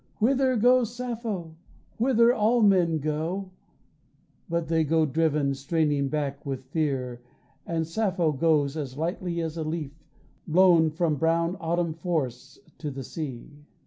Whither goes Sappho? Whither all men go, But they go driven, straining back with fear, And Sappho goes as lightly as a leaf Blown from brown autumn forests to the sea.